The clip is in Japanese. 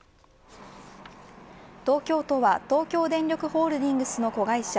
東京都は東京電力ホールディングスの子会社